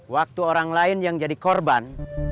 waktu orang lain yang jadi korban